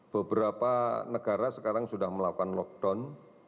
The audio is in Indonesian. beberapa negara sekarang sudah melakukan lockdown